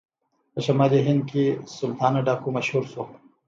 په شمالي هند کې سلطانه ډاکو مشهور شو.